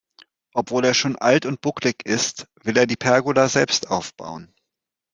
Obwohl er schon alt und bucklig ist, will er die Pergola selbst aufbauen.